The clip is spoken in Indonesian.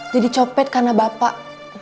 jadi copet karena bapak